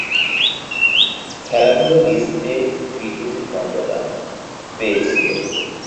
খেলাগুলো list A ক্রিকেটের মর্যাদা পেয়েছিল।